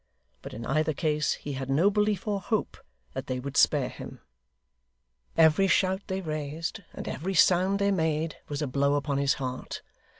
But in either case he had no belief or hope that they would spare him. Every shout they raised, and every sound they made, was a blow upon his heart.